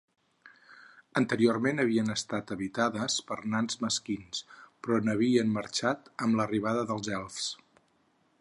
Anteriorment havien estat habitades per nans mesquins, però n'havien marxat amb l'arribada dels elfs.